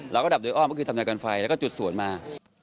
แล้วก็ดับโดยอ้อมก็คือทำรายการไฟแล้วก็จุดสวนมา